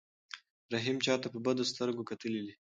رحیم چاته په بدو سترګو کتلي دي؟